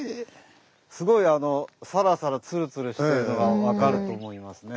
すごいさらさらつるつるしてるのが分かると思いますね。